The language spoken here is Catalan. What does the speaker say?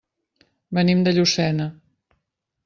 Venim de Llucena.